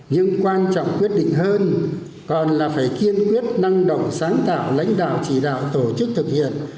nhưng quan trọng quyết định hơn còn là phải kiên quyết năng động sáng tạo lãnh đạo chỉ đạo tổ chức thực hiện